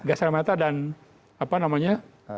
gas air mata dan apa namanya